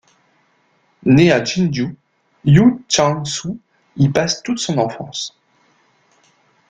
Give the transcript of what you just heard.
Né à Jinju, Huh Chang-Soo y passe toute son enfance.